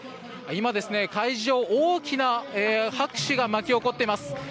今、会場、大きな拍手が巻き起こっています。